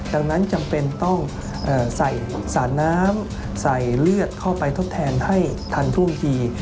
ดังนั้นจำเป็นต้องใส่สารน้ำใส่เลือดเข้าไปทดแทนให้ทันท่วงที